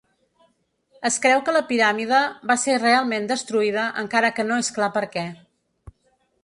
Es creu que la piràmide va ser realment destruïda, encara que no és clar per què.